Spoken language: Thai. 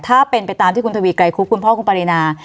ถ้าเป็นไปตามที่คุณทวีไกรคุบคุณพ่อคุณปรินา